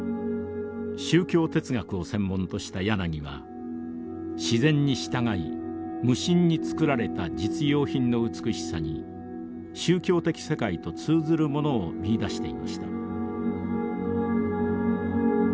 宗教哲学を専門とした柳は自然に従い無心に作られた実用品の美しさに宗教的世界と通ずるものを見いだしていました。